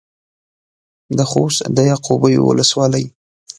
د خوست د يعقوبيو ولسوالۍ.